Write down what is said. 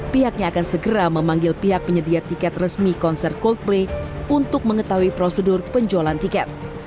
pihaknya akan segera memanggil pihak penyedia tiket resmi konser coldplay untuk mengetahui prosedur penjualan tiket